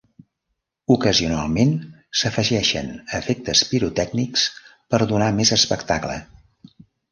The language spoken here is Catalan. Ocasionalment s'afegeixen efectes pirotècnics per donar més espectacle.